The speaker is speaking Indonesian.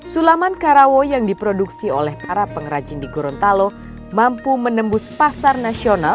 sulaman karawa yang diproduksi oleh para pengrajin di gorontalo mampu menembus pasar nasional